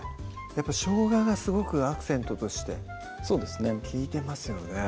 しょうががすごくアクセントとしてそうですね利いてますよね